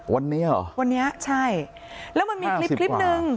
วันนี้เหรอวันนี้ใช่แล้วมันมีคลิปคลิปหนึ่ง